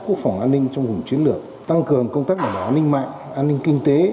quốc phòng an ninh trong vùng chiến lược tăng cường công tác đảm bảo an ninh mạng an ninh kinh tế